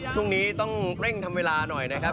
ช่วงนี้ต้องเร่งทำเวลาหน่อยนะครับ